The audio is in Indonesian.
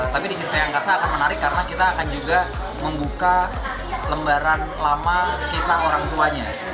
tapi di cerita yang kasa akan menarik karena kita akan juga membuka lembaran lama kisah orang tuanya